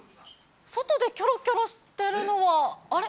外でキョロキョロしているのは、あれ？